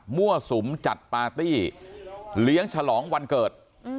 สุมจัดปาร์ตี้เลี้ยงฉลองวันเกิด